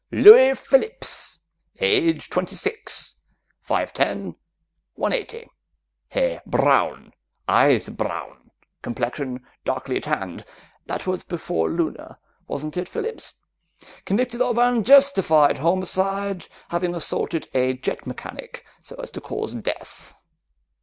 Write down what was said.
"Louis Phillips, age twenty six, five ten, one eighty. Hair brown, eyes brown, complexion darkly tanned that was before Luna, wasn't it, Phillips? Convicted of unjustified homicide, having assaulted a jet mechanic so as to cause death.